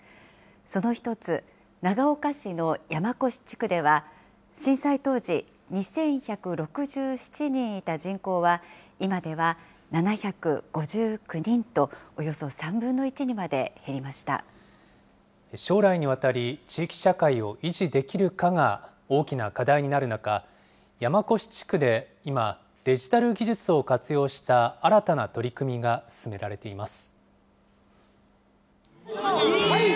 その一つ、長岡市の山古志地区では、震災当時、２１６７人いた人口は、今では７５９人と、将来にわたり、地域社会を維持できるかが大きな課題になる中、山古志地区で今、デジタル技術を活用した新たな取り組みが進められています。